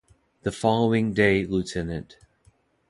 The following day Lt.